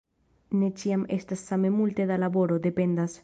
Ne ĉiam estas same multe da laboro; dependas.